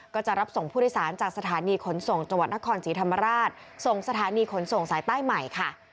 ก็จะรับส่งผู้โดยสารจากสถานีขนส่งจังหวัดนครศรีธรรมราชส่งสถานีขนส่งสายใต้ใหม่ค่ะ